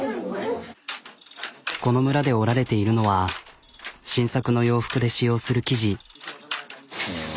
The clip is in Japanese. この村で織られているのは新作の洋服で使用する生地。